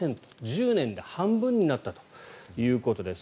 １０年で半分になったということです。